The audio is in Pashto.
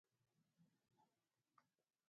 کمپیوټر ساینس د معلوماتي تکنالوژۍ یوه مهمه برخه ده.